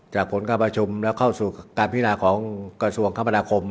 จากผลกราบประชุมแล้วเข้าสู่การพินาของกราศวงศ์คมธรรมดาคม